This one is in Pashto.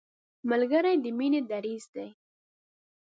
ملګری د مینې دریځ دی